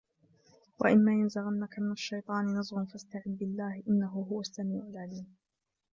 وَإِمَّا يَنْزَغَنَّكَ مِنَ الشَّيْطَانِ نَزْغٌ فَاسْتَعِذْ بِاللَّهِ إِنَّهُ هُوَ السَّمِيعُ الْعَلِيمُ